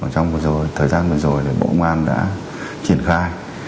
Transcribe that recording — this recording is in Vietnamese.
trong thời gian vừa rồi bộ công an đã triển khai